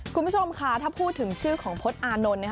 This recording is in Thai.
คุณผู้ชมค่ะถ้าพูดถึงชื่อของพจน์อานนท์นะคะ